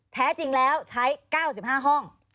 แท้จริงแล้วใช้๙๕ห้อง